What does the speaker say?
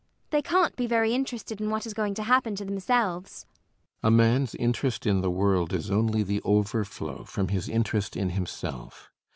They can't be very interested in what is going to happen to themselves. CAPTAIN SHOTOVER. A man's interest in the world is only the overflow from his interest in himself.